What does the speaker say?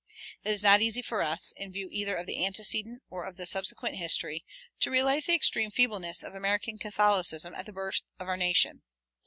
It is not easy for us, in view either of the antecedent or of the subsequent history, to realize the extreme feebleness of American Catholicism at the birth of our nation.